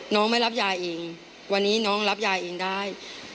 น้องไม่รับยาอิงวันนี้น้องรับยาอิงได้